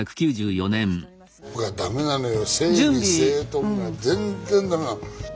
僕はダメなのよ。